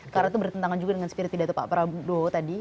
karena itu bertentangan juga dengan spiriti data pak prabowo tadi